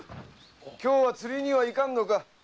今日は釣りには行かんのか？